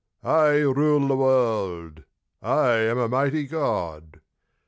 I rule the world. I am a mighty God.